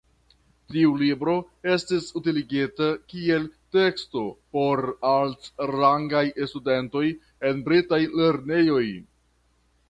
Tiu libro estis utiligita kiel teksto por altrangaj studentoj en britaj lernejoj.